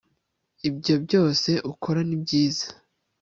ibyobyose ukora ni byiza